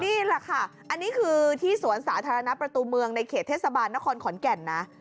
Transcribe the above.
นี่แหละค่ะอันนี้คือที่สวนสาธารณะประตูเมืองในเขตเทศบาลนครขอนแก่นนะ